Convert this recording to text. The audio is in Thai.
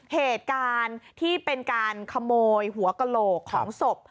เหตุการณ์ที่เป็นการขโมยหัวกระโหลกของศพ